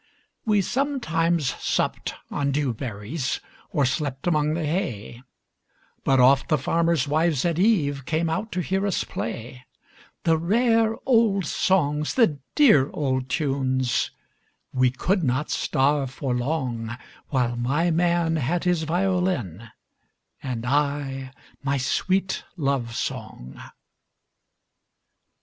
We sometimes supped on dew berries, Or slept among the hay, But oft the farmers' wives at eveCame out to hear us play; The rare old songs, the dear old tunes,—We could not starve for longWhile my man had his violin, And I my sweet love song.